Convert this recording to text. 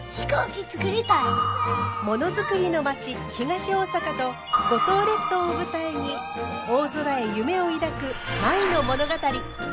ものづくりの町東大阪と五島列島を舞台に大空へ夢を抱く舞の物語。